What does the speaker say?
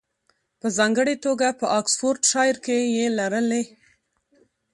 په ځانګړې توګه په اکسفورډشایر کې یې لرلې